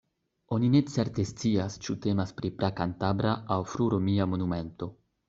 Oni ne certe scias, ĉu temas pri pra-kantabra aŭ fru-romia monumento.